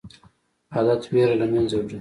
عادت ویره له منځه وړي.